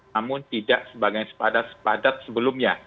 namun tidak sebagai sepadat sepadat sebelumnya